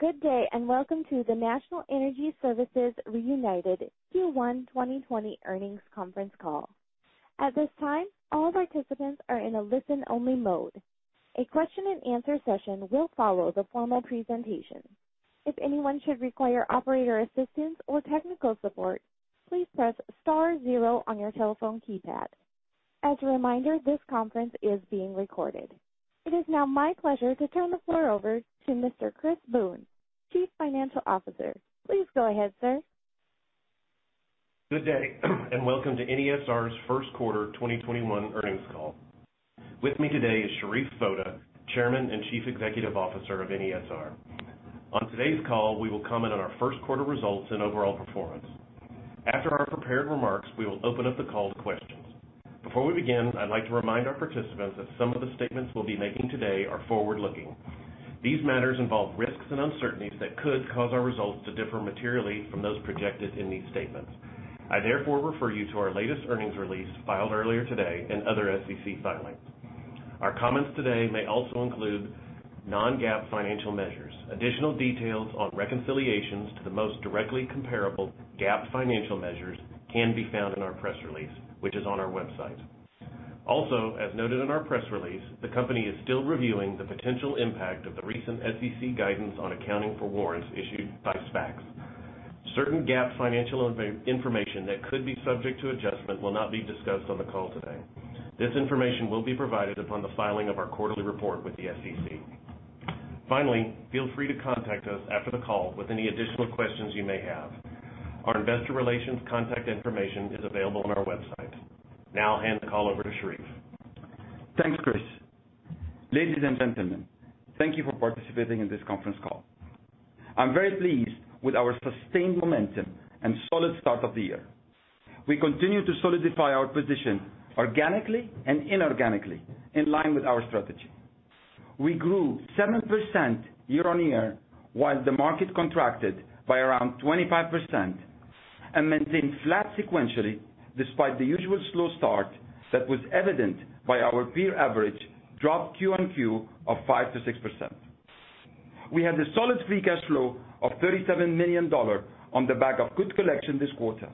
Good day, welcome to the National Energy Services Reunited Q1 2020 earnings conference call. At this time, all participants are in a listen-only mode. A question and answer session will follow the formal presentation. If anyone should require operator assistance or technical support, please press star zero on your telephone keypad. As a reminder, this conference is being recorded. It is now my pleasure to turn the floor over to Mr. Chris Boone, Chief Financial Officer. Please go ahead, sir. Good day, and welcome to NESR's first quarter 2021 earnings call. With me today is Sherif Foda, Chairman and Chief Executive Officer of NESR. On today's call, we will comment on our first quarter results and overall performance. After our prepared remarks, we will open up the call to questions. Before we begin, I'd like to remind our participants that some of the statements we'll be making today are forward-looking. These matters involve risks and uncertainties that could cause our results to differ materially from those projected in these statements. I therefore refer you to our latest earnings release filed earlier today and other SEC filings. Our comments today may also include non-GAAP financial measures. Additional details on reconciliations to the most directly comparable GAAP financial measures can be found in our press release, which is on our website. Also, as noted in our press release, the company is still reviewing the potential impact of the recent SEC guidance on accounting for warrants issued by SPACs. Certain GAAP financial information that could be subject to adjustment will not be discussed on the call today. This information will be provided upon the filing of our quarterly report with the SEC. Finally, feel free to contact us after the call with any additional questions you may have. Our investor relations contact information is available on our website. Now I'll hand the call over to Sherif. Thanks, Chris. Ladies and gentlemen, thank you for participating in this conference call. I am very pleased with our sustained momentum and solid start of the year. We continue to solidify our position organically and inorganically in line with our strategy. We grew 7% year-on-year while the market contracted by around 25% and maintained flat sequentially despite the usual slow start that was evident by our peer average drop QoQ of 5%-6%. We had a solid free cash flow of $37 million on the back of good collection this quarter,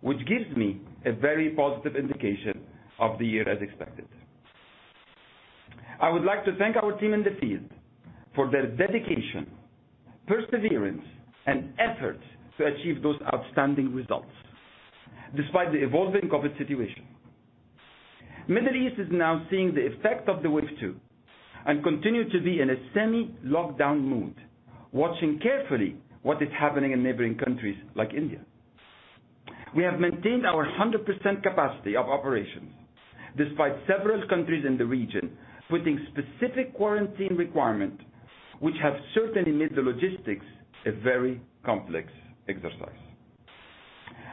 which gives me a very positive indication of the year as expected. I would like to thank our team in the field for their dedication, perseverance, and effort to achieve those outstanding results despite the evolving COVID situation. Middle East is now seeing the effect of the wave two and continue to be in a semi-lockdown mood, watching carefully what is happening in neighboring countries like India. We have maintained our 100% capacity of operations despite several countries in the region putting specific quarantine requirement, which have certainly made the logistics a very complex exercise.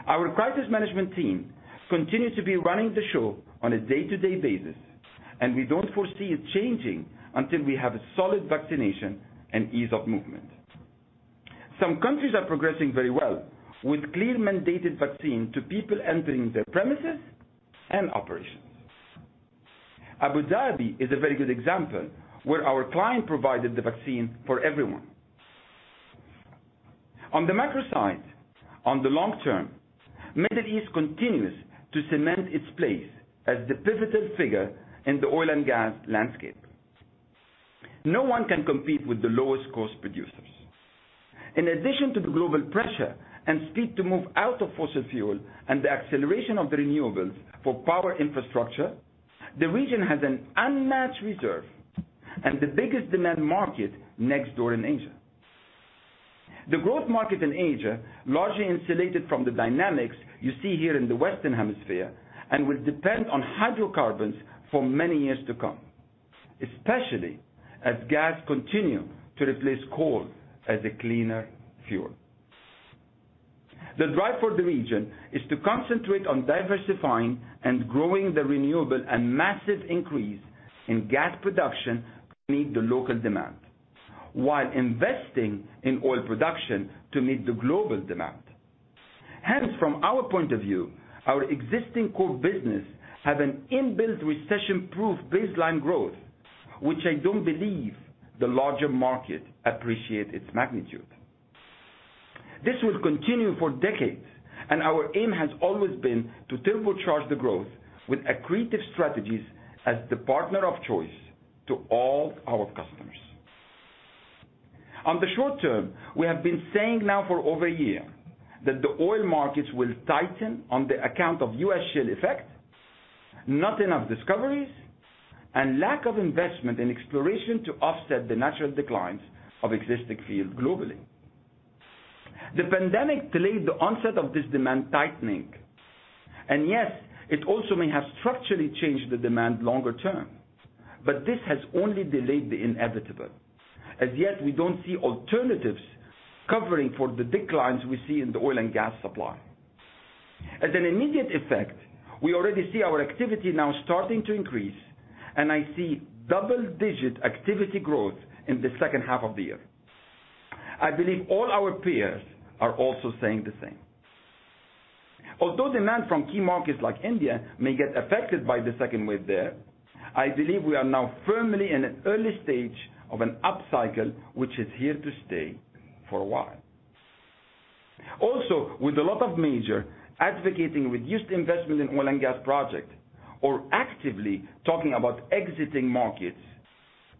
Our crisis management team continues to be running the show on a day-to-day basis, and we don't foresee it changing until we have a solid vaccination and ease of movement. Some countries are progressing very well with clear mandated vaccine to people entering their premises and operations. Abu Dhabi is a very good example, where our client provided the vaccine for everyone. On the macro side, on the long term, Middle East continues to cement its place as the pivotal figure in the oil and gas landscape. No one can compete with the lowest cost producers. In addition to the global pressure and speed to move out of fossil fuel and the acceleration of the renewables for power infrastructure, the region has an unmatched reserve and the biggest demand market next door in Asia. The growth market in Asia, largely insulated from the dynamics you see here in the Western hemisphere and will depend on hydrocarbons for many years to come, especially as gas continue to replace coal as a cleaner fuel. The drive for the region is to concentrate on diversifying and growing the renewable and massive increase in gas production to meet the local demand, while investing in oil production to meet the global demand. Hence, from our point of view, our existing core business have an inbuilt recession-proof baseline growth, which I don't believe the larger market appreciate its magnitude. This will continue for decades. Our aim has always been to turbocharge the growth with accretive strategies as the partner of choice to all our customers. On the short term, we have been saying now for over a year that the oil markets will tighten on the account of U.S. shale effect, not enough discoveries, and lack of investment in exploration to offset the natural declines of existing fields globally. The pandemic delayed the onset of this demand tightening. Yes, it also may have structurally changed the demand longer term, but this has only delayed the inevitable. As yet, we don't see alternatives covering for the declines we see in the oil and gas supply. As an immediate effect, we already see our activity now starting to increase. I see double-digit activity growth in the second half of the year. I believe all our peers are also saying the same. Although demand from key markets like India may get affected by the second wave there, I believe we are now firmly in an early stage of an upcycle, which is here to stay for a while. With a lot of major advocating reduced investment in oil and gas project, or actively talking about exiting markets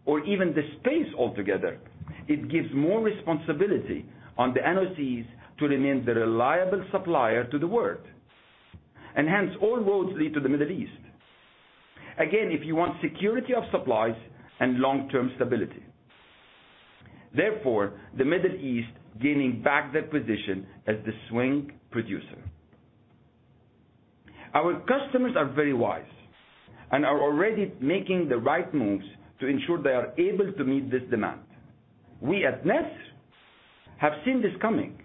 or even the space altogether, it gives more responsibility on the NOCs to remain the reliable supplier to the world. All roads lead to the Middle East. If you want security of supplies and long-term stability. The Middle East gaining back their position as the swing producer. Our customers are very wise and are already making the right moves to ensure they are able to meet this demand. We at NESR have seen this coming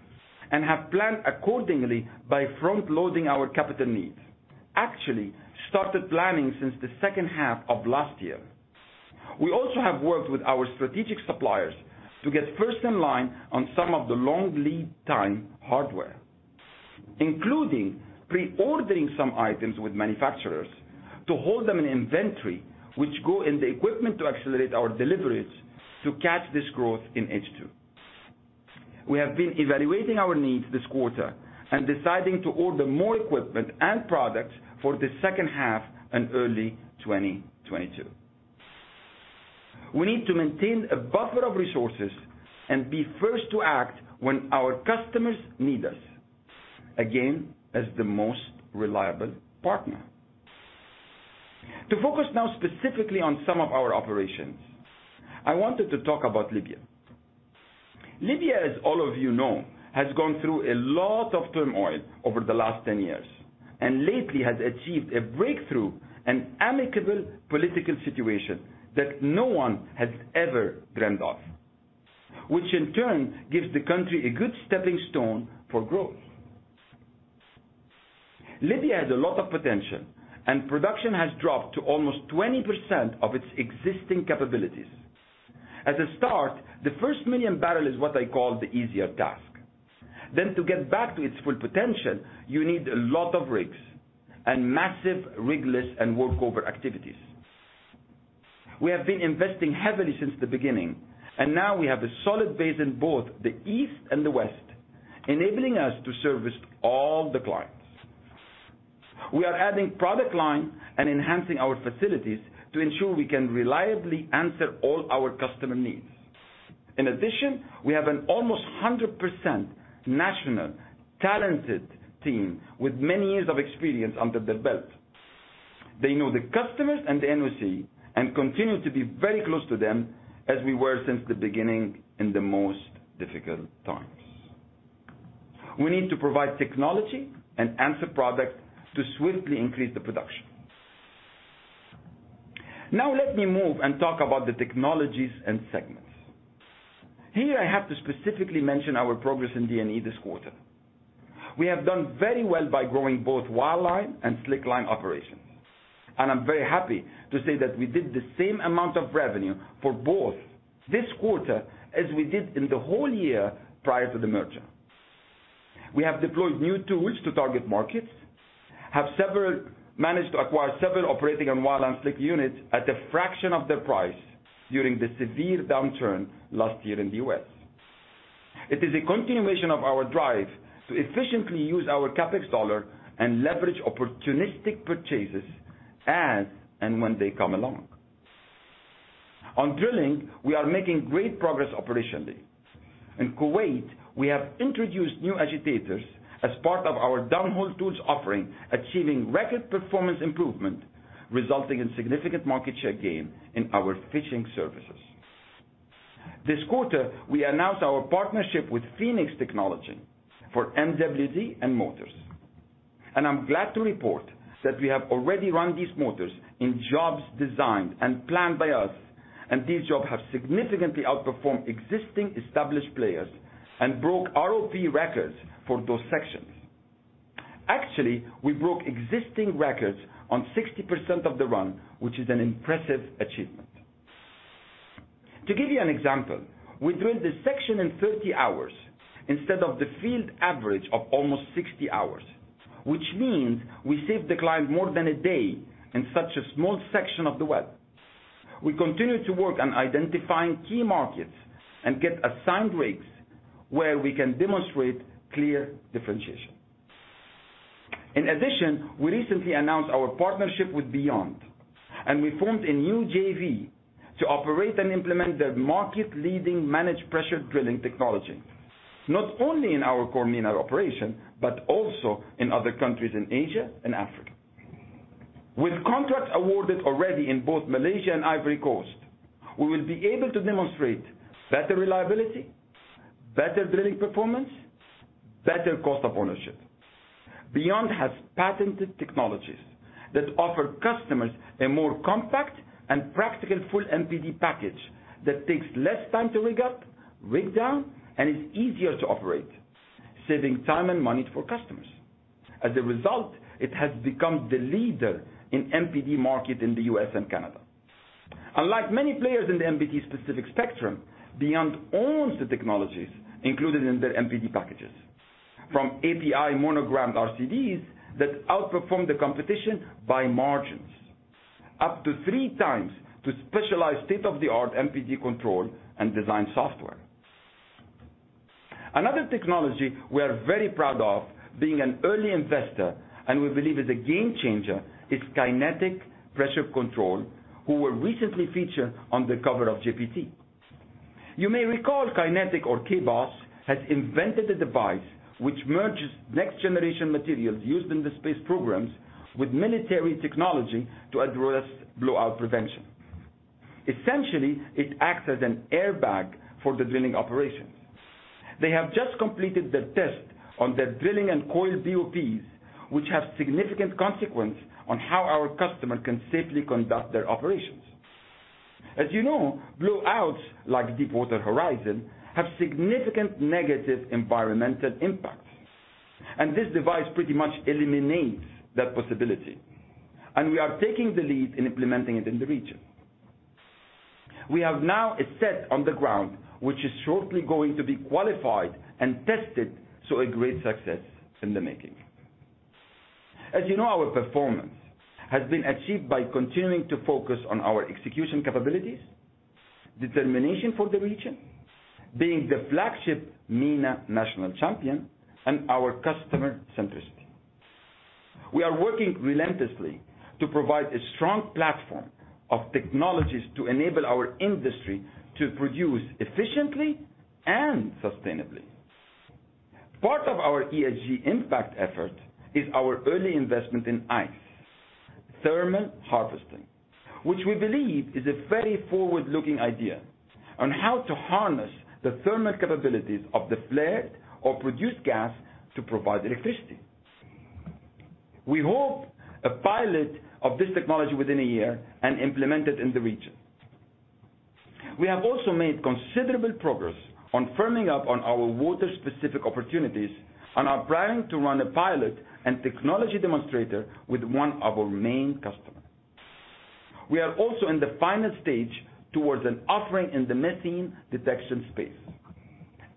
and have planned accordingly by front-loading our capital needs. Actually, started planning since the second half of last year. We also have worked with our strategic suppliers to get first in line on some of the long lead time hardware, including pre-ordering some items with manufacturers to hold them in inventory, which go in the equipment to accelerate our deliveries to catch this growth in H2. We have been evaluating our needs this quarter and deciding to order more equipment and products for the second half and early 2022. We need to maintain a buffer of resources and be first to act when our customers need us, again, as the most reliable partner. To focus now specifically on some of our operations, I wanted to talk about Libya. Libya, as all of you know, has gone through a lot of turmoil over the last 10 years, and lately has achieved a breakthrough and amicable political situation that no one has ever dreamt of, which in turn gives the country a good stepping stone for growth. Libya has a lot of potential, and production has dropped to almost 20% of its existing capabilities. As a start, the first million barrel is what I call the easier task. To get back to its full potential, you need a lot of rigs and massive rigless and workover activities. We have been investing heavily since the beginning, and now we have a solid base in both the east and the west, enabling us to service all the clients. We are adding product line and enhancing our facilities to ensure we can reliably answer all our customer needs. In addition, we have an almost 100% national talented team with many years of experience under their belt. They know the customers and the NOC and continue to be very close to them as we were since the beginning in the most difficult times. We need to provide technology and answer product to swiftly increase the production. Let me move and talk about the technologies and segments. Here, I have to specifically mention our progress in D&E this quarter. We have done very well by growing both wireline and slickline operations, and I'm very happy to say that we did the same amount of revenue for both this quarter as we did in the whole year prior to the merger. We have deployed new tools to target markets, have managed to acquire several operating and wireline slick units at a fraction of their price during the severe downturn last year in the U.S. It is a continuation of our drive to efficiently use our CapEx dollar and leverage opportunistic purchases as and when they come along. On drilling, we are making great progress operationally. In Kuwait, we have introduced new agitators as part of our downhole tools offering, achieving record performance improvement, resulting in significant market share gain in our fishing services. This quarter, we announced our partnership with Phoenix Technology for MWD and motors. I'm glad to report that we have already run these motors in jobs designed and planned by us, and these jobs have significantly outperformed existing established players and broke ROP records for those sections. Actually, we broke existing records on 60% of the run, which is an impressive achievement. To give you an example, we drilled this section in 30 hours instead of the field average of almost 60 hours, which means we saved the client more than one day in such a small section of the well. We continue to work on identifying key markets and get assigned rigs where we can demonstrate clear differentiation. In addition, we recently announced our partnership with Beyond, and we formed a new JV to operate and implement their market-leading managed pressure drilling technology, not only in our core Middle operation, but also in other countries in Asia and Africa. With contracts awarded already in both Malaysia and Ivory Coast, we will be able to demonstrate better reliability, better drilling performance, better cost of ownership. Beyond Energy has patented technologies that offer customers a more compact and practical full MPD package that takes less time to rig up, rig down, and is easier to operate, saving time and money for customers. As a result, it has become the leader in MPD market in the U.S. and Canada. Unlike many players in the MPD specific spectrum, Beyond Energy owns the technologies included in their MPD packages. From API monogrammed RCDs that outperform the competition by margins up to three times to specialized state-of-the-art MPD control and design software. Another technology we are very proud of being an early investor and we believe is a game changer, is Kinetic Pressure Control, who were recently featured on the cover of JPT. You may recall Kinetic or K-BOS, has invented a device which merges next-generation materials used in the space programs with military technology to address blowout prevention. Essentially, it acts as an airbag for the drilling operations. They have just completed the test on their drilling and coiled BOPs, which have significant consequence on how our customer can safely conduct their operations. As you know, blowouts like Deepwater Horizon have significant negative environmental impacts. This device pretty much eliminates that possibility. We are taking the lead in implementing it in the region. We have now a set on the ground, which is shortly going to be qualified and tested. A great success in the making. As you know, our performance has been achieved by continuing to focus on our execution capabilities, determination for the region, being the flagship MENA national champion, and our customer centricity. We are working relentlessly to provide a strong platform of technologies to enable our industry to produce efficiently and sustainably. Part of our ESG impact effort is our early investment in ICE Thermal Harvesting, which we believe is a very forward-looking idea on how to harness the thermal capabilities of the flared or produced gas to provide electricity. We hope a pilot of this technology within a year and implement it in the region. We have also made considerable progress on firming up on our water-specific opportunities and are planning to run a pilot and technology demonstrator with one of our main customer. We are also in the final stage towards an offering in the methane detection space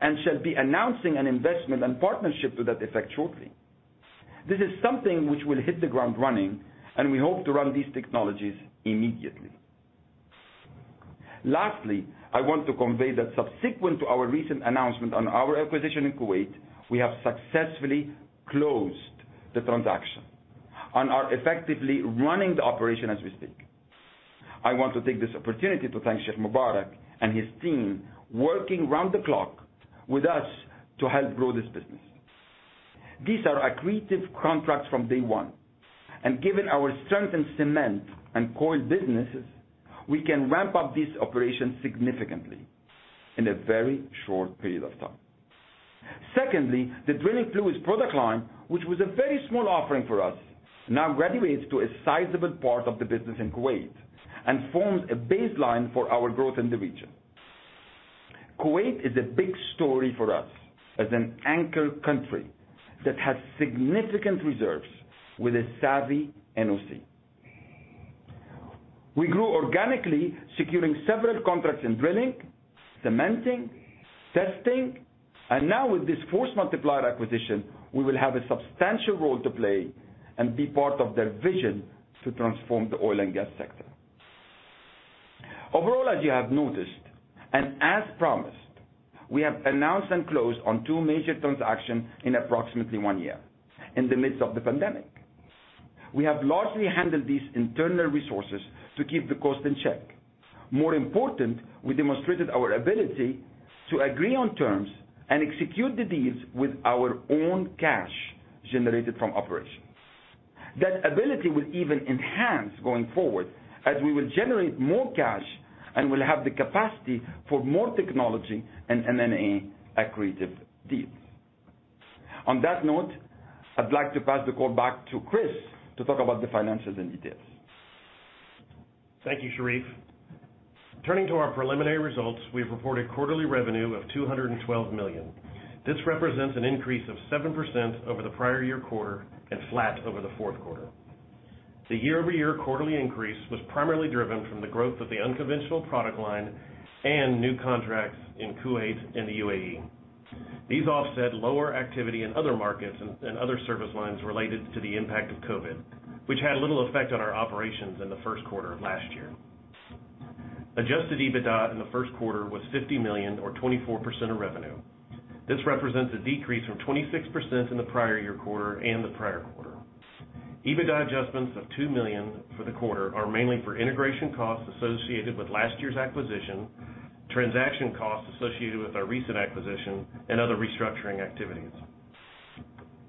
and shall be announcing an investment and partnership to that effect shortly. This is something which will hit the ground running, and we hope to run these technologies immediately. Lastly, I want to convey that subsequent to our recent announcement on our acquisition in Kuwait, we have successfully closed the transaction and are effectively running the operation as we speak. I want to take this opportunity to thank Sheikh Mubarak and his team working round the clock with us to help grow this business. These are accretive contracts from day one, and given our strength in cement and core businesses, we can ramp up these operations significantly in a very short period of time. Secondly, the drilling fluids product line, which was a very small offering for us, now graduates to a sizable part of the business in Kuwait and forms a baseline for our growth in the region. Kuwait is a big story for us as an anchor country that has significant reserves with a savvy NOC. We grew organically, securing several contracts in drilling, cementing, testing, and now with this force multiplier acquisition, we will have a substantial role to play and be part of their vision to transform the oil and gas sector. Overall, as you have noticed and as promised, we have announced and closed on two major transactions in approximately one year in the midst of the pandemic. We have largely handled these internal resources to keep the cost in check. More important, we demonstrated our ability to agree on terms and execute the deals with our own cash generated from operations. That ability will even enhance going forward as we will generate more cash and will have the capacity for more technology and M&A accretive deals. On that note, I'd like to pass the call back to Chris to talk about the financials in details. Thank you, Sherif. Turning to our preliminary results, we have reported quarterly revenue of $212 million. This represents an increase of 7% over the prior year quarter and flat over the fourth quarter. The year-over-year quarterly increase was primarily driven from the growth of the unconventional product line and new contracts in Kuwait and the UAE. These offset lower activity in other markets and other service lines related to the impact of COVID, which had little effect on our operations in the first quarter of last year. Adjusted EBITDA in the first quarter was $50 million or 24% of revenue. This represents a decrease from 26% in the prior year quarter and the prior quarter. EBITDA adjustments of $2 million for the quarter are mainly for integration costs associated with last year's acquisition, transaction costs associated with our recent acquisition, and other restructuring activities.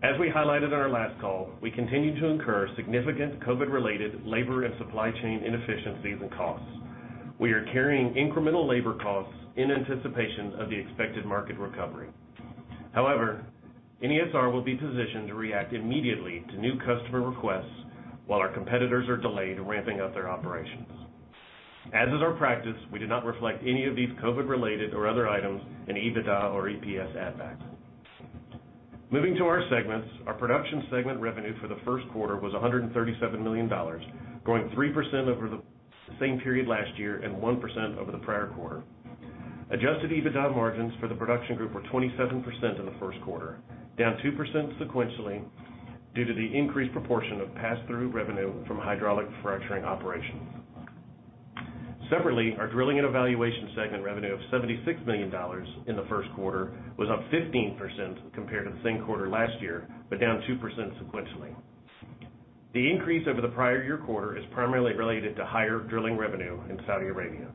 As we highlighted on our last call, we continue to incur significant COVID-related labor and supply chain inefficiencies and costs. We are carrying incremental labor costs in anticipation of the expected market recovery. NESR will be positioned to react immediately to new customer requests while our competitors are delayed ramping up their operations. As is our practice, we did not reflect any of these COVID-related or other items in EBITDA or EPS ad-back. Moving to our segments, our production segment revenue for the first quarter was $137 million, growing 3% over the same period last year and 1% over the prior quarter. Adjusted EBITDA margins for the production group were 27% in the first quarter, down 2% sequentially due to the increased proportion of pass-through revenue from hydraulic fracturing operations. Separately, our Drilling and Evaluation segment revenue of $76 million in the first quarter was up 15% compared to the same quarter last year, down 2% sequentially. The increase over the prior year quarter is primarily related to higher drilling revenue in Saudi Arabia.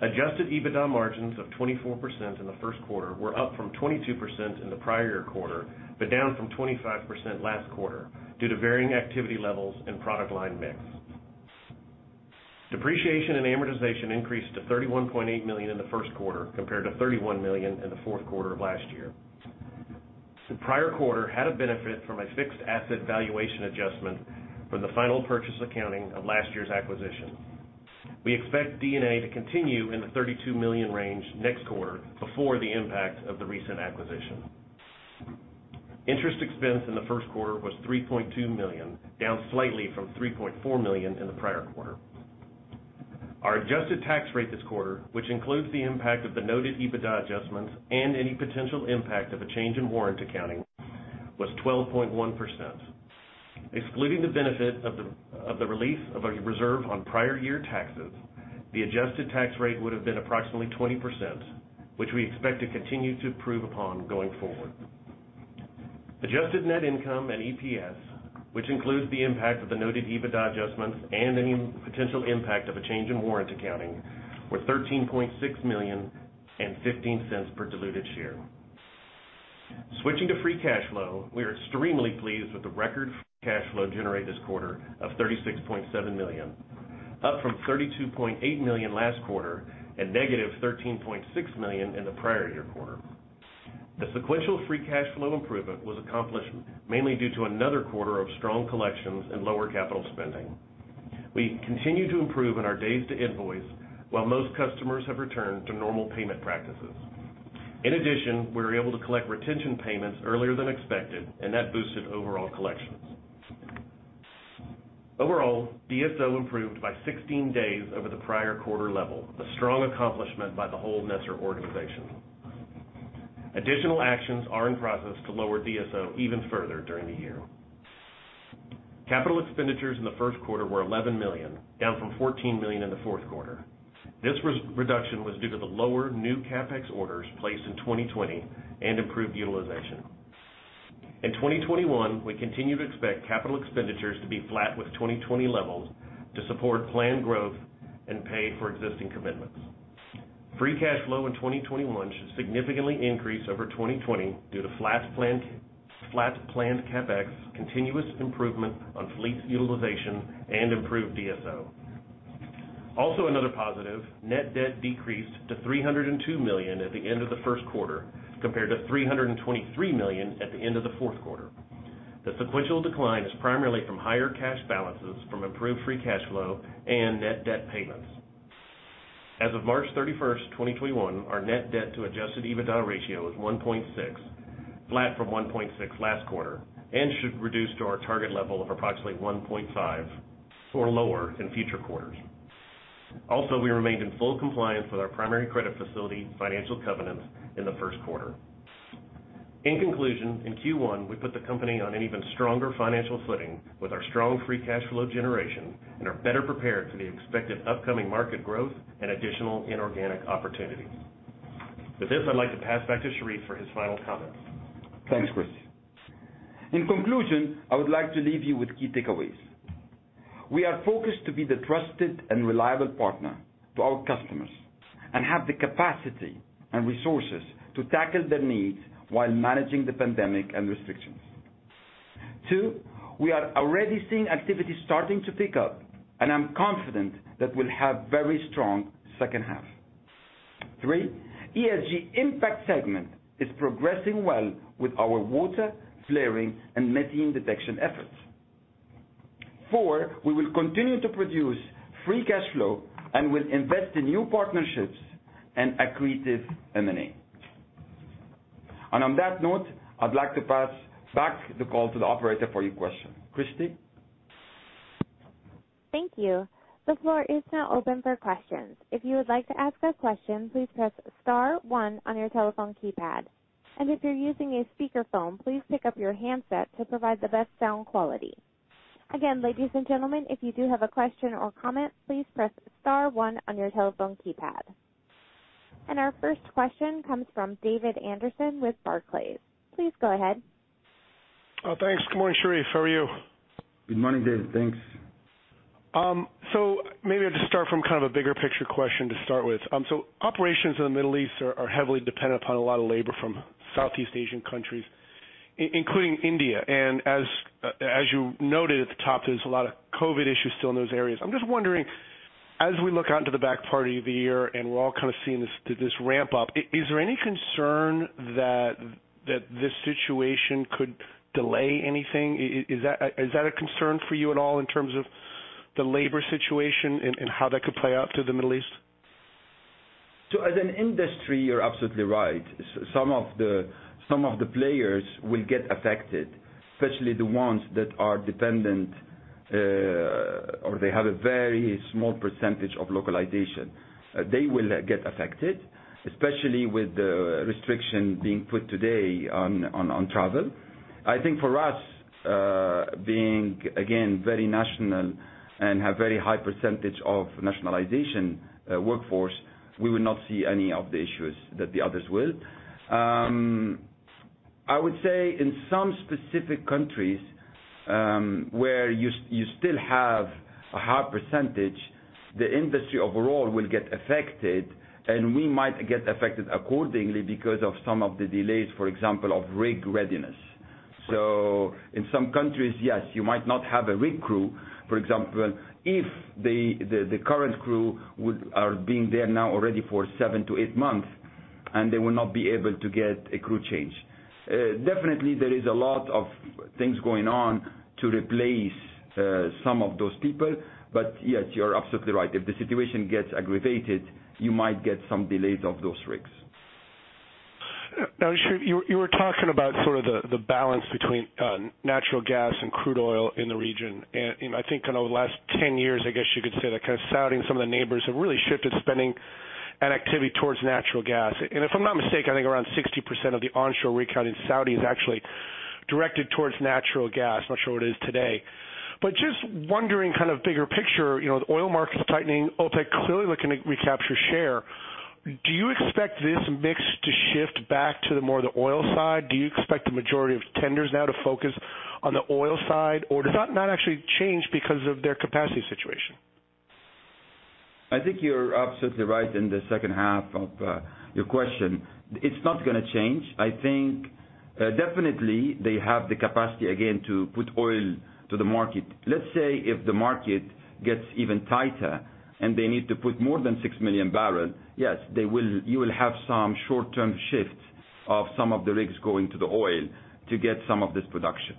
Adjusted EBITDA margins of 24% in the first quarter were up from 22% in the prior quarter, down from 25% last quarter due to varying activity levels and product line mix. Depreciation and amortization increased to $31.8 million in the first quarter, compared to $31 million in the fourth quarter of last year. The prior quarter had a benefit from a fixed asset valuation adjustment from the final purchase accounting of last year's acquisition. We expect D&A to continue in the $32 million range next quarter before the impact of the recent acquisition. Interest expense in the first quarter was $3.2 million, down slightly from $3.4 million in the prior quarter. Our adjusted tax rate this quarter, which includes the impact of the noted EBITDA adjustments and any potential impact of a change in warrant accounting, was 12.1%. Excluding the benefit of the relief of a reserve on prior year taxes, the adjusted tax rate would have been approximately 20%, which we expect to continue to improve upon going forward. Adjusted net income and EPS, which includes the impact of the noted EBITDA adjustments and any potential impact of a change in warrant accounting, were $13.6 million and $0.15 per diluted share. Switching to free cash flow, we are extremely pleased with the record free cash flow generated this quarter of $36.7 million, up from $32.8 million last quarter and -$13.6 million in the prior year quarter. The sequential free cash flow improvement was accomplished mainly due to another quarter of strong collections and lower capital spending. We continue to improve on our days to invoice, while most customers have returned to normal payment practices. In addition, we were able to collect retention payments earlier than expected, and that boosted overall collections. Overall, DSO improved by 16 days over the prior quarter level, a strong accomplishment by the whole NESR organization. Additional actions are in process to lower DSO even further during the year. Capital expenditures in the first quarter were $11 million, down from $14 million in the fourth quarter. This reduction was due to the lower new CapEx orders placed in 2020 and improved utilization. In 2021, we continue to expect capital expenditures to be flat with 2020 levels to support planned growth and pay for existing commitments. Free cash flow in 2021 should significantly increase over 2020 due to flat planned CapEx, continuous improvement on fleet utilization, and improved DSO. Another positive, net debt decreased to $302 million at the end of the first quarter, compared to $323 million at the end of the fourth quarter. The sequential decline is primarily from higher cash balances from improved free cash flow and net debt payments. As of March 31st, 2021, our net debt to adjusted EBITDA ratio is 1.6, flat from 1.6 last quarter, and should reduce to our target level of approximately 1.5 or lower in future quarters. We remained in full compliance with our primary credit facility financial covenants in the first quarter. In conclusion, in Q1, we put the company on an even stronger financial footing with our strong free cash flow generation and are better prepared for the expected upcoming market growth and additional inorganic opportunities. With this, I'd like to pass back to Sherif for his final comments. Thanks, Chris. In conclusion, I would like to leave you with key takeaways. We are focused to be the trusted and reliable partner to our customers and have the capacity and resources to tackle their needs while managing the pandemic and restrictions. Two, we are already seeing activity starting to pick up, and I'm confident that we'll have very strong second half. Three, ESG impact segment is progressing well with our water, flaring, and methane detection efforts. Four, we will continue to produce free cash flow and will invest in new partnerships and accretive M&A. On that note, I'd like to pass back the call to the operator for your question. Christy? Thank you. The floor is now open for questions. If you would like to ask a question, please press star one on your telephone keypad. If you're using a speakerphone, please pick up your handset to provide the best sound quality. Again, ladies and gentlemen, if you do have a question or comment, please press star one on your telephone keypad. Our first question comes from David Anderson with Barclays. Please go ahead. Thanks. Good morning, Sherif. How are you? Good morning, David. Thanks. Maybe I'll just start from kind of a bigger picture question to start with. Operations in the Middle East are heavily dependent upon a lot of labor from Southeast Asian countries, including India. As you noted at the top, there's a lot of COVID issues still in those areas. I'm just wondering, as we look out into the back part of the year and we're all kind of seeing this ramp up, is there any concern that this situation could delay anything? Is that a concern for you at all in terms of the labor situation and how that could play out through the Middle East? As an industry, you're absolutely right. Some of the players will get affected, especially the ones that are dependent, or they have a very small percentage of localization. They will get affected, especially with the restriction being put today on travel. I think for us, being, again, very national and have very high percentage of nationalization workforce, we will not see any of the issues that the others will. I would say in some specific countries, where you still have a high percentage, the industry overall will get affected and we might get affected accordingly because of some of the delays, for example, of rig readiness. In some countries, yes, you might not have a rig crew, for example, if the current crew are being there now already for seven to eight months, and they will not be able to get a crew change. Definitely, there is a lot of things going on to replace some of those people. Yes, you're absolutely right. If the situation gets aggravated, you might get some delays of those rigs. You were talking about sort of the balance between natural gas and crude oil in the region. I think in over the last 10 years, I guess you could say that kind of Saudi and some of the neighbors have really shifted spending and activity towards natural gas. If I'm not mistaken, I think around 60% of the onshore rig count in Saudi is actually directed towards natural gas. I'm not sure what it is today. Just wondering kind of bigger picture, the oil market's tightening, OPEC clearly looking to recapture share. Do you expect this mix to shift back to the more the oil side? Do you expect the majority of tenders now to focus on the oil side? Or does that not actually change because of their capacity situation? I think you're absolutely right in the second half of your question. It's not going to change. I think, definitely they have the capacity again, to put oil to the market. Let's say if the market gets even tighter and they need to put more than 6 million barrels, yes, you will have some short-term shifts of some of the rigs going to the oil to get some of this production.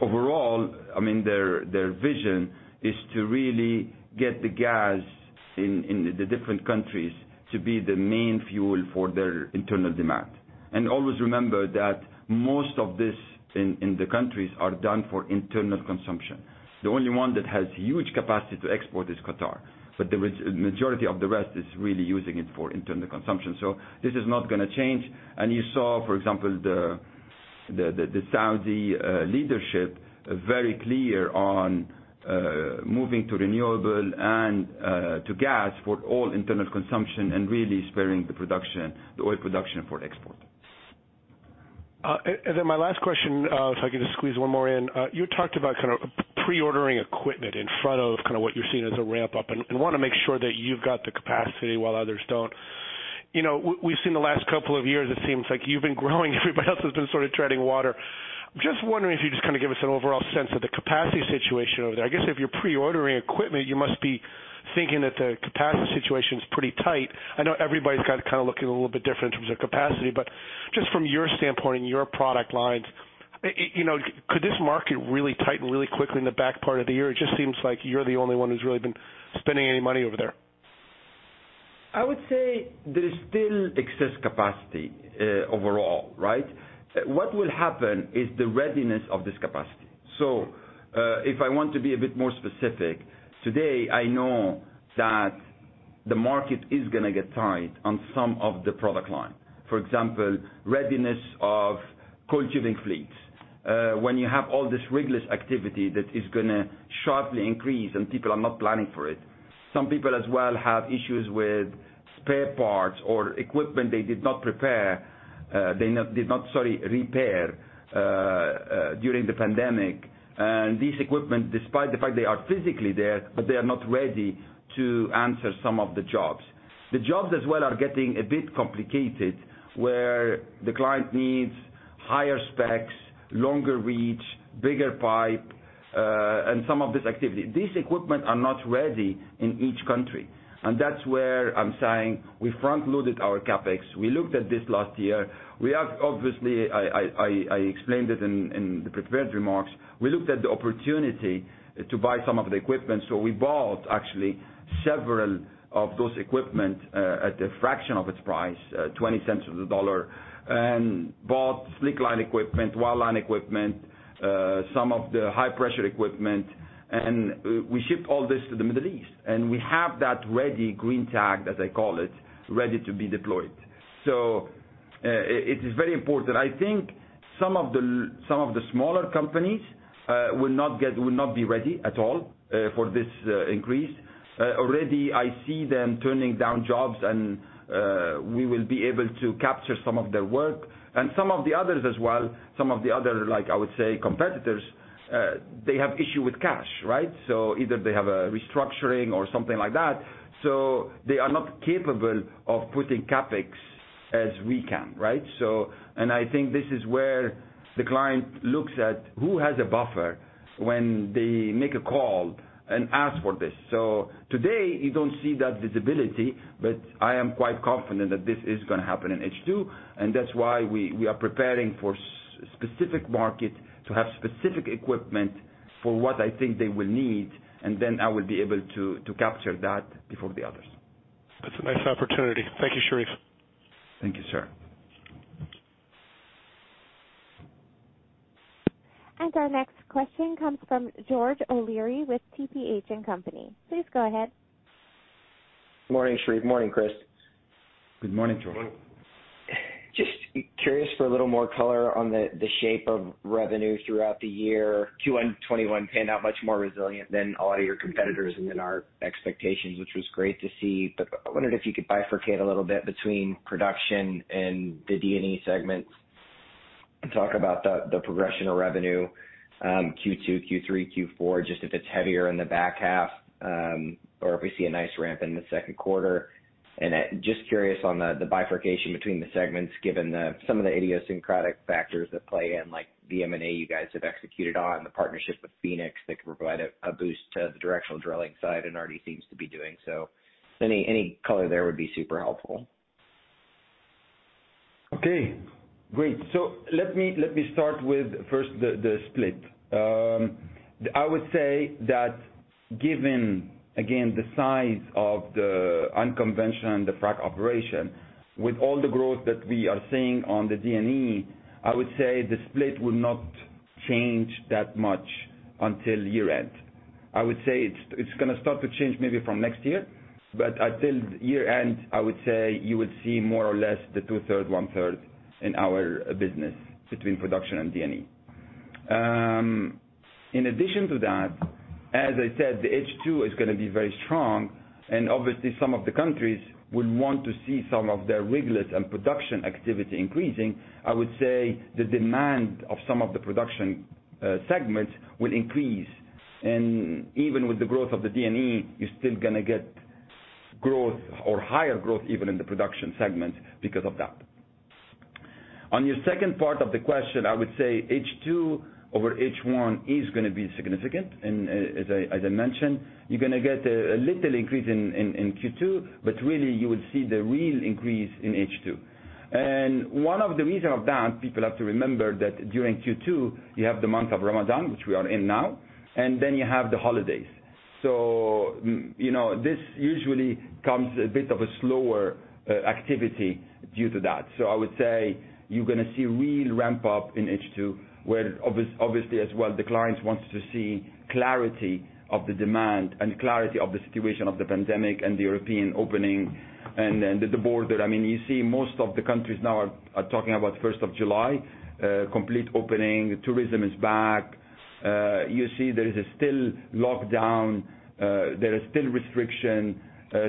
Overall, their vision is to really get the gas in the different countries to be the main fuel for their internal demand. Always remember that most of this in the countries are done for internal consumption. The only one that has huge capacity to export is Qatar, but the majority of the rest is really using it for internal consumption. This is not going to change. You saw, for example, the Saudi leadership, very clear on moving to renewable and to gas for all internal consumption and really sparing the production, the oil production for export. My last question, if I can just squeeze one more in. You talked about kind of pre-ordering equipment in front of what you're seeing as a ramp-up and want to make sure that you've got the capacity while others don't. We've seen the last couple of years, it seems like you've been growing, everybody else has been sort of treading water. I'm just wondering if you just give us an overall sense of the capacity situation over there. I guess if you're pre-ordering equipment, you must be thinking that the capacity situation is pretty tight. I know everybody's got kind of looking a little bit different in terms of capacity, but just from your standpoint and your product lines, could this market really tighten really quickly in the back part of the year? It just seems like you're the only one who's really been spending any money over there. I would say there is still excess capacity, overall, right? What will happen is the readiness of this capacity. If I want to be a bit more specific, today, I know that the market is going to get tight on some of the product line. For example, readiness of coiled tubing fleets. When you have all this rigless activity that is going to sharply increase and people are not planning for it. Some people as well have issues with spare parts or equipment they did not prepare, they did not, sorry, repair during the pandemic. This equipment, despite the fact they are physically there, but they are not ready to answer some of the jobs. The jobs as well are getting a bit complicated, where the client needs higher specs, longer reach, bigger pipe, and some of this activity. These equipment are not ready in each country. That's where I'm saying we front-loaded our CapEx. We looked at this last year. We have, obviously, I explained it in the prepared remarks. We looked at the opportunity to buy some of the equipment. We bought actually several of those equipment, at a fraction of its price, $0.20 to the dollar, and bought slickline equipment, wireline equipment, some of the high-pressure equipment. We shipped all this to the Middle East, and we have that ready, green tagged, as I call it, ready to be deployed. It is very important. I think some of the smaller companies will not be ready at all for this increase. Already I see them turning down jobs and we will be able to capture some of their work. Some of the others as well, some of the other, I would say, competitors, they have issue with cash, right? Either they have a restructuring or something like that. They are not capable of putting CapEx as we can, right? I think this is where the client looks at who has a buffer when they make a call and ask for this. Today, you don't see that visibility, but I am quite confident that this is going to happen in H2, that's why we are preparing for specific market to have specific equipment for what I think they will need, then I will be able to capture that before the others. That's a nice opportunity. Thank you, Sherif. Thank you, sir. Our next question comes from George O'Leary with TPH & Co. Please go ahead. Morning, Sherif. Morning, Chris. Good morning, George. Just curious for a little more color on the shape of revenue throughout the year. Q1 2021 panned out much more resilient than a lot of your competitors and then our expectations, which was great to see. I wondered if you could bifurcate a little bit between production and the D&E segments, and talk about the progression of revenue, Q2, Q3, Q4, just if it's heavier in the back half, or if we see a nice ramp in the second quarter. Just curious on the bifurcation between the segments given some of the idiosyncratic factors that play in, like the M&A you guys have executed on, the partnership with Phoenix that could provide a boost to the directional drilling side and already seems to be doing so. Any color there would be super helpful. Okay, great. Let me start with first the split. I would say that given, again, the size of the unconventional and the frac operation, with all the growth that we are seeing on the D&E, I would say the split will not change that much until year-end. I would say it's going to start to change maybe from next year, but until year-end, I would say you would see more or less the 2/3, 1/3 in our business between production and D&E. In addition to that, as I said, the H2 is going to be very strong and obviously some of the countries would want to see some of their rigless and production activity increasing. I would say the demand of some of the production segments will increase. Even with the growth of the D&E, you're still going to get growth or higher growth even in the production segment because of that. On your second part of the question, I would say H2 over H1 is going to be significant. As I mentioned, you're going to get a little increase in Q2, but really you will see the real increase in H2. One of the reason of that, people have to remember that during Q2, you have the month of Ramadan, which we are in now, and then you have the holidays. This usually comes a bit of a slower activity due to that. I would say you're going to see real ramp up in H2, where obviously as well, the clients wants to see clarity of the demand and clarity of the situation of the pandemic and the European opening and the border. You see most of the countries now are talking about 1st of July, complete opening. Tourism is back. You see there is still lockdown. There is still restriction.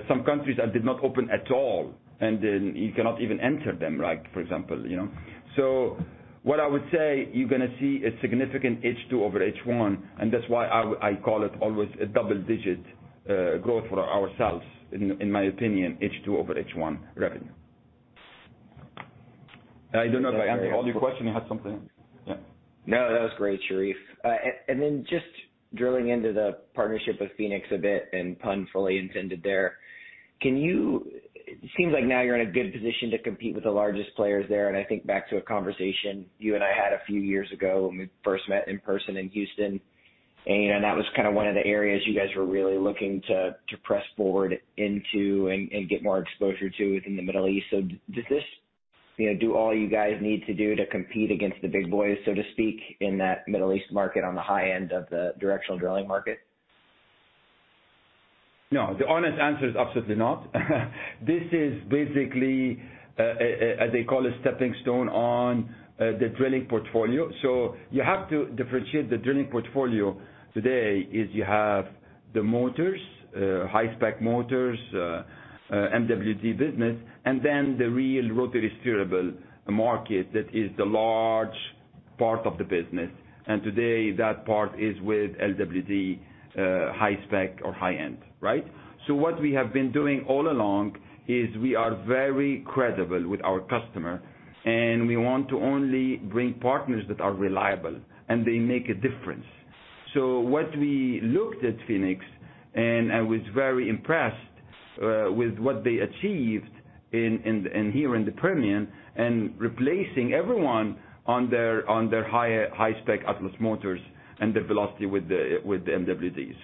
Some countries did not open at all, and then you cannot even enter them, for example. What I would say, you're going to see a significant H2 over H1, and that's why I call it always a double-digit growth for ourselves, in my opinion, H2 over H1 revenue. I don't know if I answered all your question. You had something. Yeah. No, that was great, Sherif. Then just drilling into the partnership with Phoenix a bit and pun fully intended there. It seems like now you're in a good position to compete with the largest players there. I think back to a conversation you and I had a few years ago when we first met in person in Houston. That was one of the areas you guys were really looking to press forward into and get more exposure to within the Middle East. Does this do all you guys need to do to compete against the big boys, so to speak, in that Middle East market on the high end of the directional drilling market? No. The honest answer is absolutely not. This is basically, as they call it, stepping stone on the drilling portfolio. You have to differentiate the drilling portfolio today is you have the motors, high spec motors, MWD business, and then the real rotary steerable market that is the large part of the business. Today that part is with LWD, high spec or high-end, right? What we have been doing all along is we are very credible with our customer, and we want to only bring partners that are reliable and they make a difference. What we looked at Phoenix, and I was very impressed with what they achieved in here in the Permian and replacing everyone on their high spec Atlas motors and the Velocity with the MWD.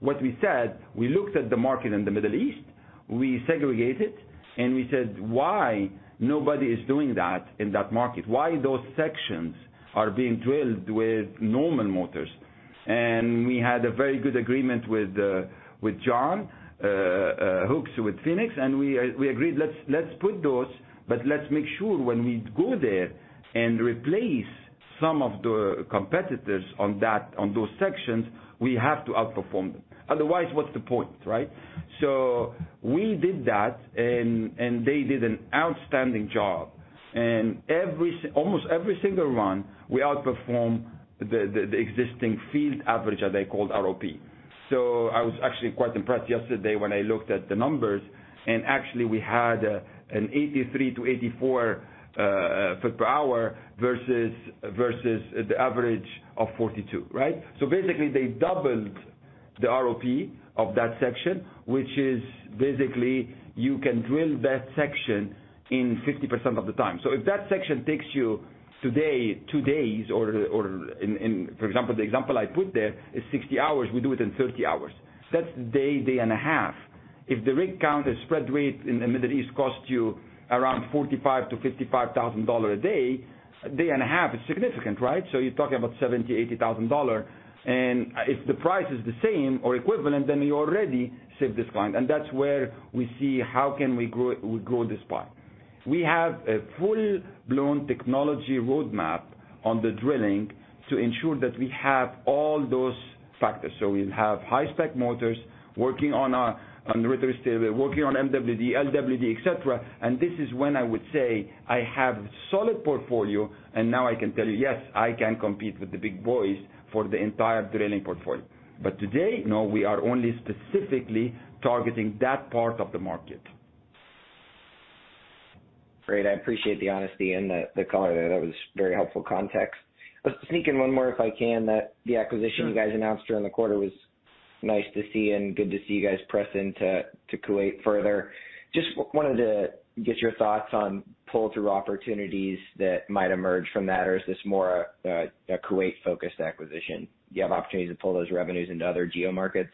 What we said, we looked at the market in the Middle East, we segregate it, and we said, "Why nobody is doing that in that market? Why those sections are being drilled with normal motors?" We had a very good agreement with John Hooks with Phoenix, and we agreed, let's put those, but let's make sure when we go there and replace some of the competitors on those sections, we have to outperform them. Otherwise, what's the point, right? We did that and they did an outstanding job. Almost every single one, we outperform the existing field average, as they called ROP. I was actually quite impressed yesterday when I looked at the numbers, and actually we had an 83 to 84 foot per hour versus the average of 42, right? Basically, they doubled the ROP of that section, which is basically, you can drill that section in 50% of the time. If that section takes you today, two days, or for example, the example I put there is 60 hours. We do it in 30 hours. That's a day and a half. If the rig count is spread rate and the Middle East costs you around $45,000-$55,000 a day, a day and a half is significant, right? You're talking about $70,000-$80,000. If the price is the same or equivalent, you already save this client. That's where we see how we can grow this pie. We have a full-blown technology roadmap on the drilling to ensure that we have all those factors. We have high-spec motors working on rotary [steerable], working on MWD, LWD, et cetera. This is when I would say I have a solid portfolio, and now I can tell you, yes, I can compete with the big boys for the entire drilling portfolio. Today, no, we are only specifically targeting that part of the market. Great. I appreciate the honesty and the color there. That was very helpful context. Let's sneak in one more, if I can. Sure. You guys announced during the quarter was nice to see and good to see you guys press into Kuwait further. Just wanted to get your thoughts on pull-through opportunities that might emerge from that. Is this more a Kuwait-focused acquisition? Do you have opportunities to pull those revenues into other geo markets?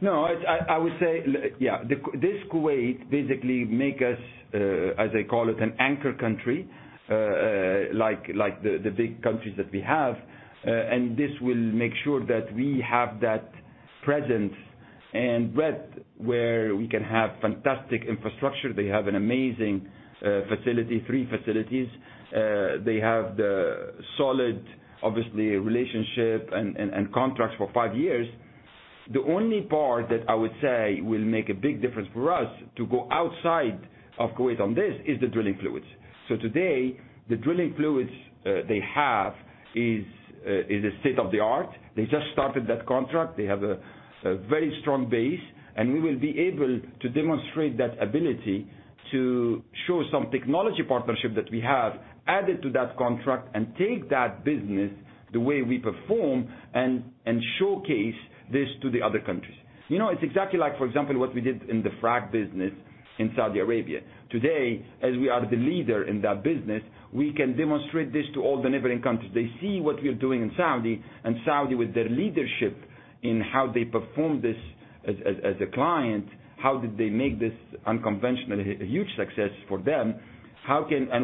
No, I would say, yeah. This Kuwait basically make us, as I call it, an anchor country, like the big countries that we have. This will make sure that we have that presence and breadth where we can have fantastic infrastructure. They have an amazing facility, three facilities. They have the solid, obviously, relationship and contracts for five years. The only part that I would say will make a big difference for us to go outside of Kuwait on this is the drilling fluids. Today, the drilling fluids they have is a state of the art. They just started that contract. They have a very strong base, and we will be able to demonstrate that ability to show some technology partnership that we have, add it to that contract, and take that business the way we perform and showcase this to the other countries. It's exactly like, for example, what we did in the frac business in Saudi Arabia. Today, as we are the leader in that business, we can demonstrate this to all the neighboring countries. They see what we are doing in Saudi, with their leadership in how they perform this as a client, how did they make this unconventional, a huge success for them.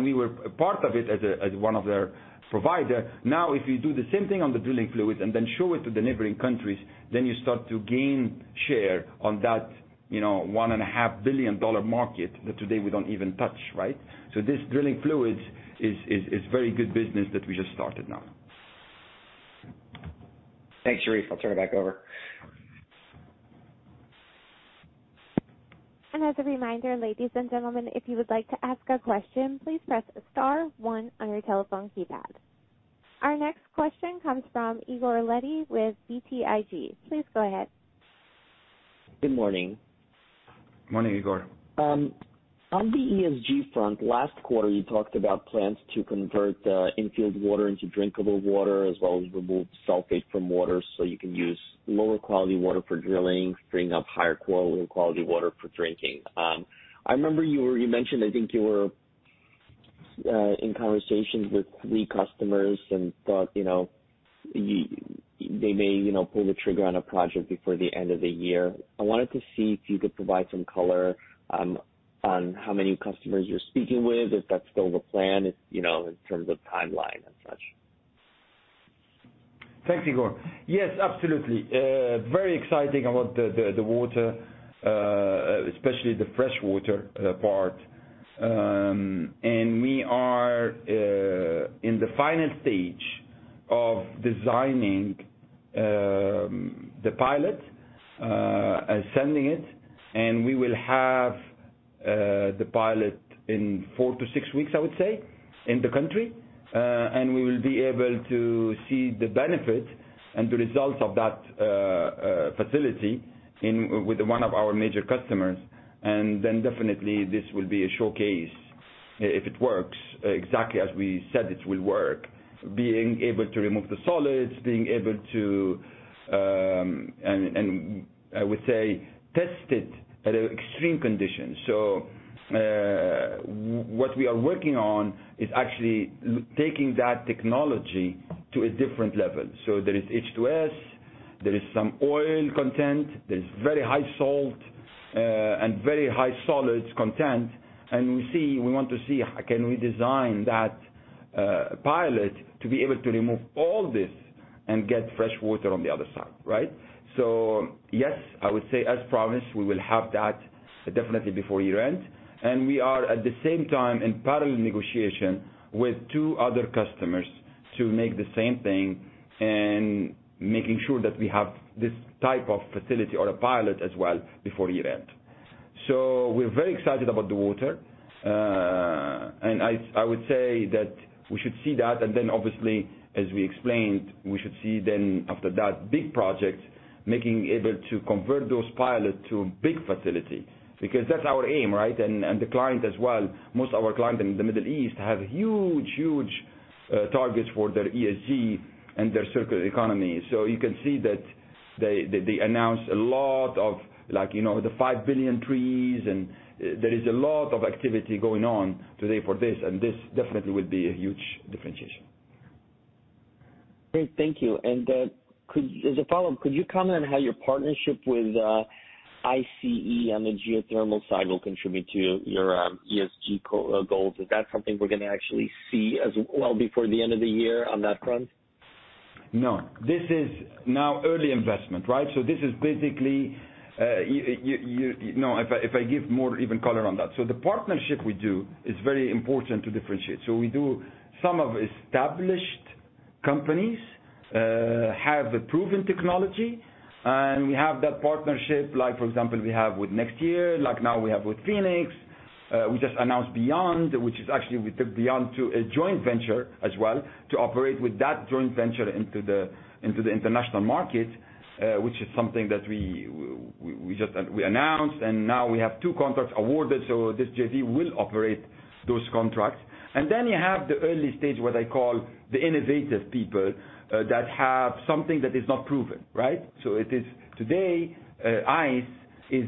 We were part of it as one of their provider. Now, if you do the same thing on the Drilling Fluids and then show it to the neighboring countries, then you start to gain share on that $1.5 billion market that today we don't even touch, right? This Drilling Fluids is very good business that we just started now. Thanks, Sherif. I'll turn it back over. As a reminder, ladies and gentlemen, if you would like to ask a question, please press star one on your telephone keypad. Our next question comes from Igor Levi with BTIG. Please go ahead. Good morning. Morning, Igor. On the ESG front, last quarter, you talked about plans to convert the in-field water into drinkable water, as well as remove sulfate from water so you can use lower-quality water for drilling, freeing up higher-quality water for drinking. I remember you mentioned, I think you were in conversations with three customers and thought they may pull the trigger on a project before the end of the year. I wanted to see if you could provide some color on how many customers you're speaking with, if that's still the plan, in terms of timeline and such. Thanks, Igor. Yes, absolutely. Very exciting about the water, especially the fresh water part. We are in the final stage of designing the pilot, sending it, and we will have the pilot in four to six weeks, I would say, in the country. We will be able to see the benefit and the results of that facility with one of our major customers. Definitely this will be a showcase if it works exactly as we said it will work. Being able to remove the solids, and I would say, test it at extreme conditions. What we are working on is actually taking that technology to a different level. There is H2S, there is some oil content, there is very high salt, and very high solids content. We want to see, can we design that pilot to be able to remove all this and get fresh water on the other side, right? Yes, I would say as promised, we will have that definitely before year-end. We are, at the same time, in parallel negotiation with two other customers to make the same thing and making sure that we have this type of facility or a pilot as well before year-end. We're very excited about the water. I would say that we should see that, and then obviously, as we explained, we should see then after that big project, making able to convert those pilot to big facility. That's our aim, right? The client as well. Most our client in the Middle East have huge targets for their ESG and their circular economy. You can see that they announce a lot of the 5 billion trees, and there is a lot of activity going on today for this, and this definitely will be a huge differentiation. Great. Thank you. As a follow-up, could you comment on how your partnership with ICE on the geothermal side will contribute to your ESG goals? Is that something we're going to actually see as well before the end of the year on that front? No. This is now early investment, right? This is basically, if I give more even color on that. The partnership we do is very important to differentiate. We do, some of established companies have a proven technology, and we have that partnership like, for example, we have with NexTier, like now we have with Phoenix. We just announced Beyond, which is actually, we took Beyond to a joint venture as well to operate with that joint venture into the international market, which is something that we announced, and now we have two contracts awarded, so this JV will operate those contracts. You have the early stage, what I call the innovative people, that have something that is not proven, right? It is today, ICE is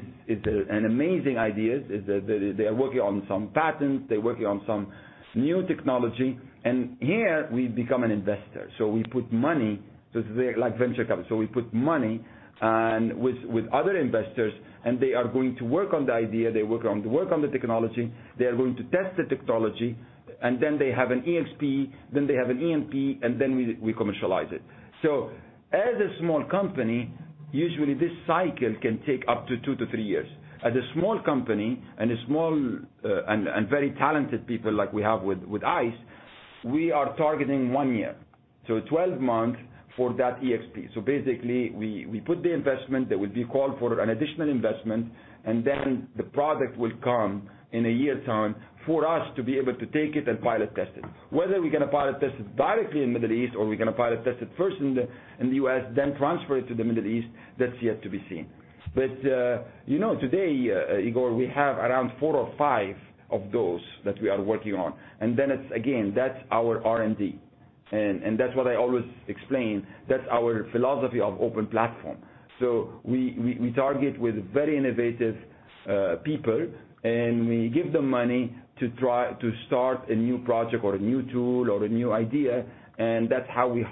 an amazing idea. They are working on some patents. They're working on some new technology. Here we become an investor. We put money, so this is like venture capital. We put money with other investors, and they are going to work on the idea. They work on the technology. They are going to test the technology, and then they have an ExP, then they have an EmP, and then we commercialize it. As a small company, usually this cycle can take up to two-three years. As a small company and very talented people like we have with ICE, we are targeting one year. 12 months for that ExP. Basically, we put the investment. There will be call for an additional investment, and then the product will come in a year's time for us to be able to take it and pilot test it. Whether we're going to pilot test it directly in Middle East or we're going to pilot test it first in the U.S., then transfer it to the Middle East, that's yet to be seen. Today, Igor, we have around four or five of those that we are working on. Then it's, again, that's our R&D. That's what I always explain. That's our philosophy of open platform. We target with very innovative people, and we give them money to start a new project or a new tool or a new idea, and that's how we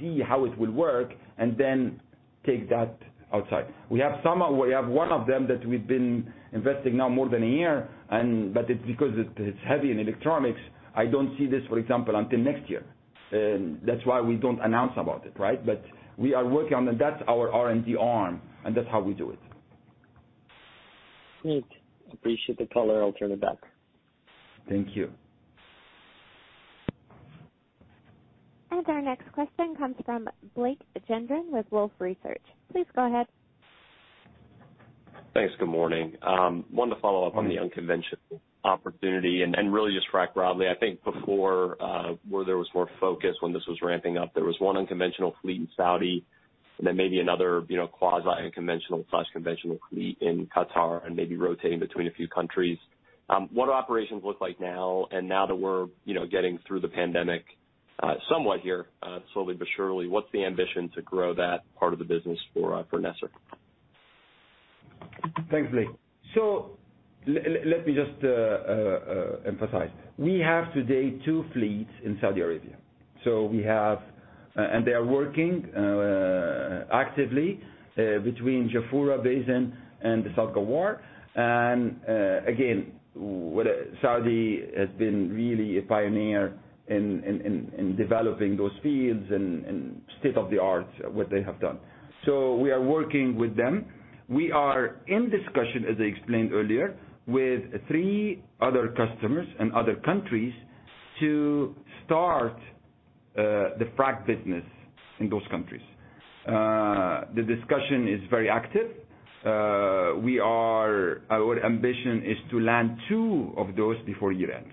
see how it will work and then take that outside. We have one of them that we've been investing now more than a year, but it's because it's heavy in electronics. I don't see this, for example, until next year. That's why we don't announce about it, right? We are working on that. That's our R&D arm, and that's how we do it. Neat. Appreciate the color. I'll turn it back. Thank you. Our next question comes from Blake Gendron with Wolfe Research. Please go ahead. Thanks. Good morning. Wanted to follow up on the unconventional opportunity and really just frack broadly. I think before, where there was more focus when this was ramping up, there was one unconventional fleet in Saudi, and then maybe another quasi-unconventional/conventional fleet in Qatar and maybe rotating between a few countries. What do operations look like now? Now that we're getting through the Pandemic, somewhat here, slowly but surely, what's the ambition to grow that part of the business for NESR? Thanks, Blake Gendron. Let me just emphasize. We have today two fleets in Saudi Arabia. They are working actively, between Ghawar Basin and the Khursaniyah. Again, Saudi has been really a pioneer in developing those fields and state-of-the-art what they have done. We are working with them. We are in discussion, as I explained earlier, with three other customers and other countries to start the frack business in those countries. The discussion is very active. Our ambition is to land two of those before year-end.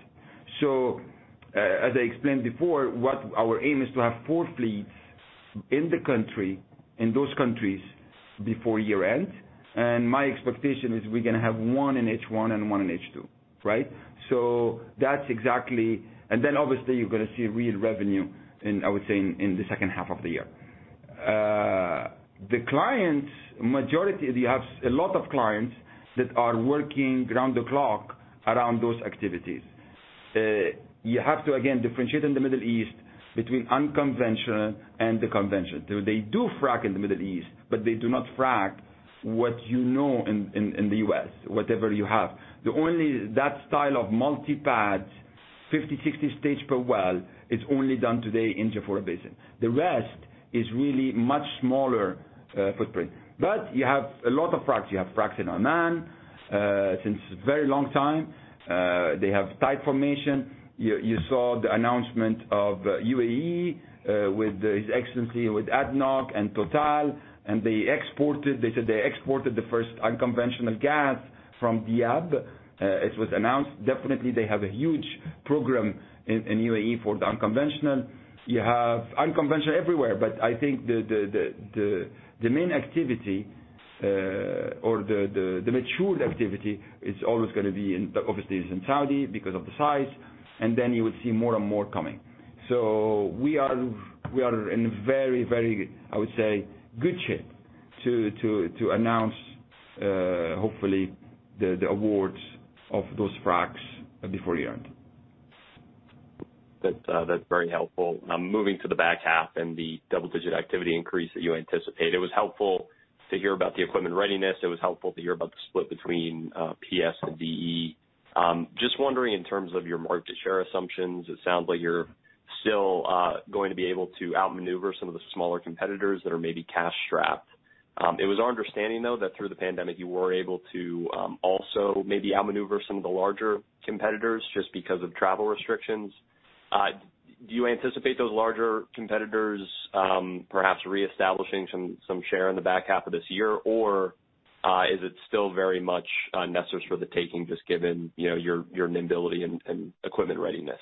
As I explained before, what our aim is to have four fleets in those countries before year-end. My expectation is we're going to have one in H1 and one in H2. Right? Then obviously you're going to see real revenue in, I would say, in the second half of the year. The clients, majority, we have a lot of clients that are working around the clock around those activities. You have to, again, differentiate in the Middle East between unconventional and the conventional. They do frack in the Middle East, but they do not frack what you know in the U.S., whatever you have. That style of multi-pads, 50, 60 stage per well, it's only done today in Ghawar Basin. The rest is really much smaller footprint. You have a lot of fracks. You have fracks in Oman, since very long time. They have tight formation. You saw the announcement of UAE, with His Excellency with ADNOC and TotalEnergies, and they said they exported the first unconventional gas from Diyab. It was announced. Definitely, they have a huge program in UAE for the unconventional. You have unconventional everywhere, but I think the main activity or the matured activity is always going to be, obviously, it's in Saudi because of the size, and then you will see more and more coming. We are in very, very, I would say, good shape to announce, hopefully, the awards of those fracs before year-end. That's very helpful. Moving to the back half and the double-digit activity increase that you anticipate. It was helpful to hear about the equipment readiness. It was helpful to hear about the split between PS and D&E. Just wondering, in terms of your market share assumptions, it sounds like you're still going to be able to outmaneuver some of the smaller competitors that are maybe cash-strapped. It was our understanding, though, that through the pandemic, you were able to also maybe outmaneuver some of the larger competitors just because of travel restrictions. Do you anticipate those larger competitors perhaps reestablishing some share in the back half of this year? Is it still very much necessary for the taking, just given your nimbility and equipment readiness?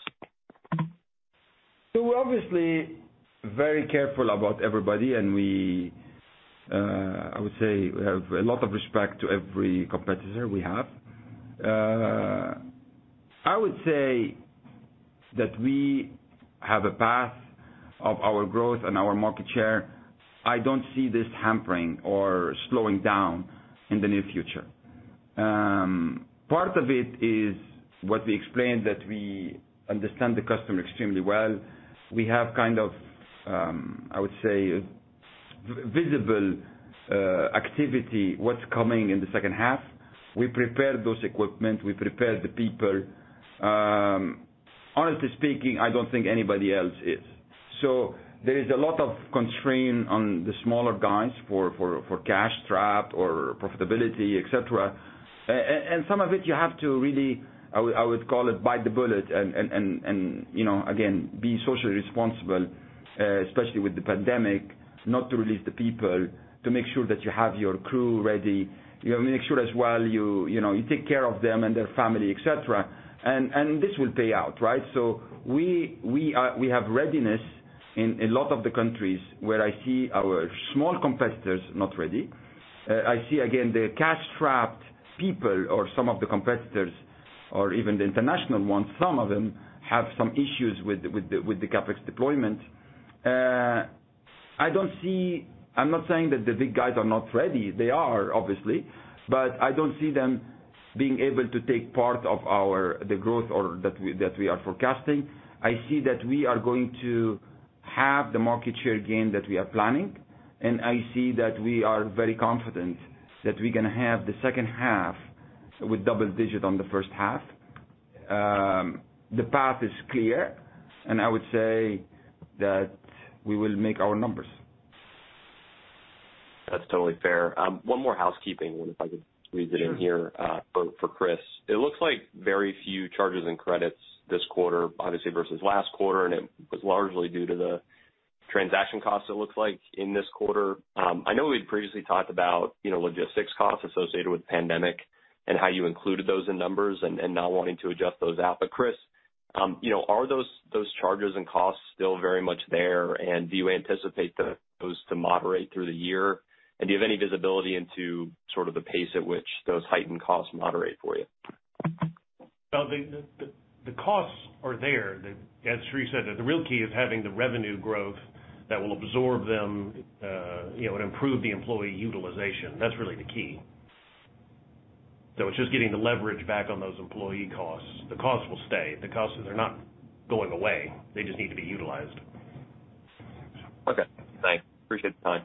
We're obviously very careful about everybody, and I would say we have a lot of respect to every competitor we have. I would say that we have a path of our growth and our market share. I don't see this hampering or slowing down in the near future. Part of it is what we explained, that we understand the customer extremely well. We have, I would say, visible activity, what's coming in the second half. We prepared those equipment, we prepared the people. Honestly speaking, I don't think anybody else is. There is a lot of constraint on the smaller guys for cash-strapped or profitability, et cetera. Some of it, you have to really, I would call it bite the bullet and again, be socially responsible, especially with the pandemic, not to release the people. To make sure that you have your crew ready. You make sure as well you take care of them and their family, et cetera. This will pay out, right? We have readiness in a lot of the countries where I see our small competitors not ready. I see, again, the cash-strapped people, or some of the competitors, or even the international ones, some of them have some issues with the CapEx deployment. I'm not saying that the big guys are not ready. They are, obviously. I don't see them being able to take part of the growth that we are forecasting. I see that we are going to have the market share gain that we are planning, and I see that we are very confident that we're going to have the second half with double digit on the first half. The path is clear, and I would say that we will make our numbers. That's totally fair. One more housekeeping one, if I could squeeze it in here for Chris. It looks like very few charges and credits this quarter, obviously, versus last quarter. It was largely due to the transaction costs, it looks like, in this quarter. I know we had previously talked about logistics costs associated with the pandemic and how you included those in numbers and not wanting to adjust those out. Chris, are those charges and costs still very much there, and do you anticipate those to moderate through the year? Do you have any visibility into sort of the pace at which those heightened costs moderate for you? The costs are there. As Sherif said, the real key is having the revenue growth that will absorb them, and improve the employee utilization. That's really the key. It's just getting the leverage back on those employee costs. The costs will stay. The costs are not going away. They just need to be utilized. Okay, thanks. Appreciate the time.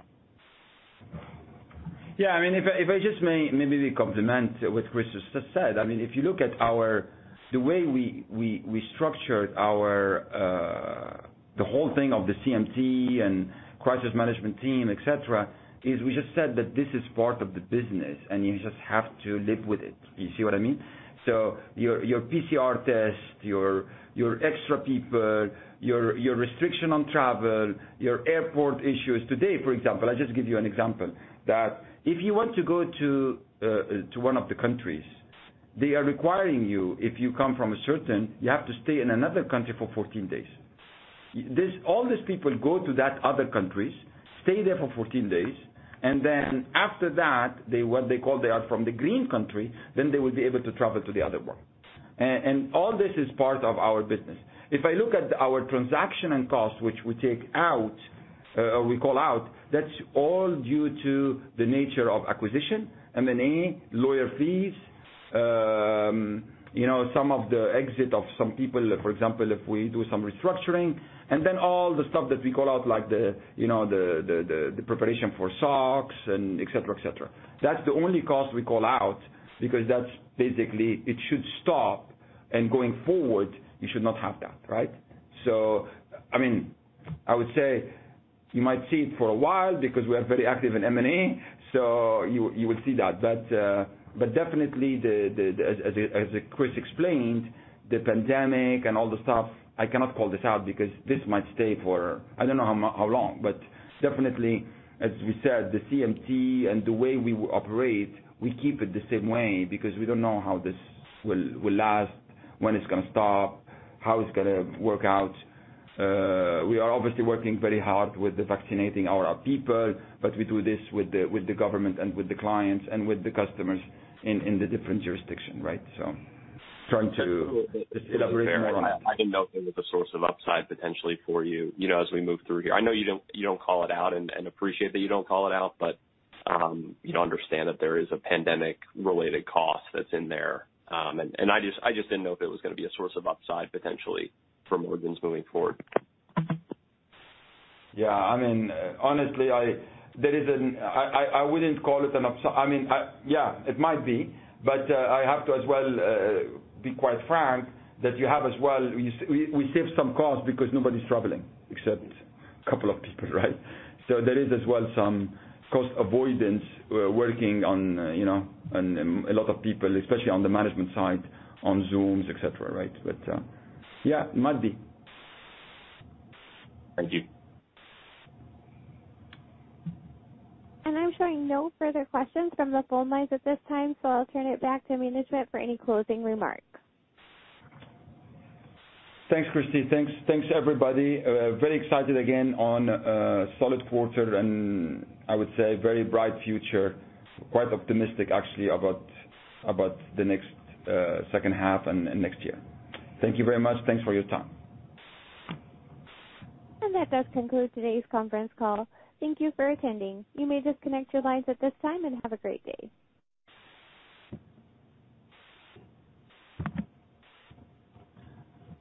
Yeah. If I just may maybe compliment what Chris just said. If you look at the way we structured the whole thing of the CMT and crisis management team, et cetera, is we just said that this is part of the business, and you just have to live with it. You see what I mean? Your PCR test, your extra people, your restriction on travel, your airport issues. Today, for example, I'll just give you an example, that if you want to go to one of the countries, they are requiring you, if you come from a certain, you have to stay in another country for 14 days. All these people go to that other countries, stay there for 14 days, and then after that, what they call they are from the green country, then they will be able to travel to the other one. All this is part of our business. If I look at our transaction and cost, which we call out, that's all due to the nature of acquisition, M&A, lawyer fees. Some of the exit of some people, for example, if we do some restructuring, and then all the stuff that we call out, like the preparation for SOX and et cetera. That's the only cost we call out because that's basically, it should stop, and going forward, you should not have that, right? I would say you might see it for a while because we are very active in M&A, so you will see that. Definitely, as Chris explained, the pandemic and all the stuff, I cannot call this out because this might stay for, I don't know how long. Definitely, as we said, the CMT and the way we operate, we keep it the same way because we don't know how this will last, when it's going to stop, how it's going to work out. We are obviously working very hard with vaccinating our people, but we do this with the government and with the clients and with the customers in the different jurisdiction, right? I didn't know if it was a source of upside potentially for you as we move through here. I know you don't call it out, and appreciate that you don't call it out, but understand that there is a pandemic-related cost that's in there. I just didn't know if it was going to be a source of upside potentially for margins moving forward. Honestly, I wouldn't call it an upside. Yeah, it might be. I have to as well be quite frank that you have as well, we save some costs because nobody's traveling except a couple of people, right? There is as well some cost avoidance working on a lot of people, especially on the management side, on Zooms, et cetera. Yeah, it might be. Thank you. I'm showing no further questions from the phone lines at this time, so I'll turn it back to management for any closing remarks. Thanks, Christy. Thanks, everybody. Very excited again on a solid quarter, and I would say a very bright future. Quite optimistic, actually, about the next second half and next year. Thank you very much. Thanks for your time. That does conclude today's conference call. Thank you for attending. You may disconnect your lines at this time, and have a great day.